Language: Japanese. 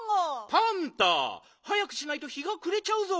パンタはやくしないと日がくれちゃうぞ。